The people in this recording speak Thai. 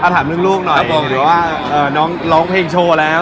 ถามเรื่องลูกหน่อยเดี๋ยวว่าน้องเพลงโชว์แล้ว